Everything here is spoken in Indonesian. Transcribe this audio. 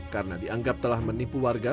karena dianggap telah menipu warga